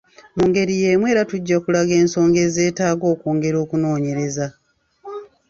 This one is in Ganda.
Mu ngeri y’emu era tujja kulaga n’ensonga ezeetaaga okwongera okunoonyereza.